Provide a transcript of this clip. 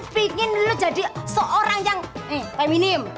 pingin lo jadi seorang yang feminim